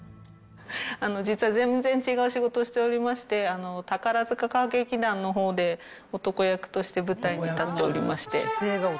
実は全然違う仕事をしておりまして、宝塚歌劇団のほうで男役として舞台に立っておりまして。